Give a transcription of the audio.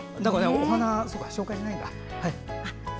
お花、紹介しないんだ。